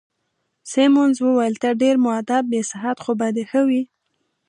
سیمونز وویل: ته ډېر مودب يې، صحت خو به دي ښه وي؟